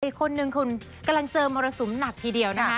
อีกคนนึงคุณกำลังเจอมรสุมหนักทีเดียวนะคะ